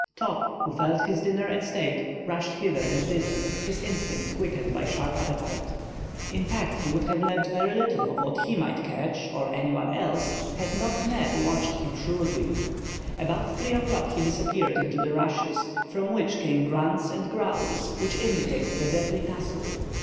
Top, who felt his dinner at stake, rushed hither and thither, his instinct quickened by sharp appetite. In fact, he would have left very little of what he might catch or any one else, had not Neb watched him shrewdly. About 3 o'clock he disappeared into the rushes, from which came grunts and growls which indicated a deadly tustle.